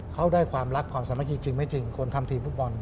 เขาได้ความรักความสามัคคีจริงไม่จริงคนทำทีมฟุตบอล